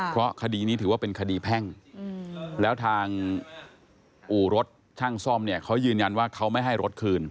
เพราะคดีนี้ถือว่าเป็นคดีแพ่งแล้วทางอู่รถช่างซ่อมเนี่ยเขายืนยันว่าเขาไม่ให้รถคืน